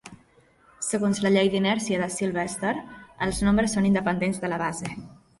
Segons la llei d'inèrcia de Sylvester, els nombres són independents de la base.